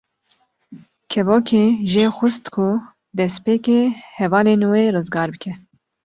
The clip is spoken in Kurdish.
Kevokê jê xwest ku destpêkê hevalên wê rizgar bike.